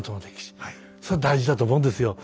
それは大事だと思うんですよ。